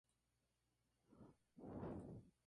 Hoy el estado que presenta la torre es muy lamentable.